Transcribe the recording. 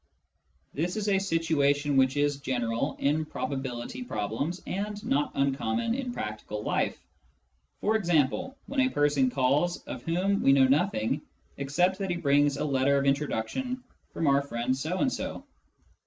This is a situation which is general in prob ability problems and not uncommon in practical life — e.g. when a person calls of whom we know nothing except that he brings a letter of introduction from our friend so and so.